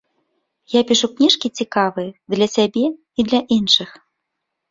Я пішу кніжкі цікавыя для сябе і для іншых.